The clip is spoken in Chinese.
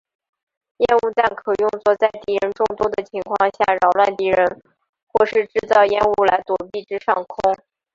烟雾弹可用作在敌人众多的情况下扰乱敌人或是制造烟雾来躲避至上空。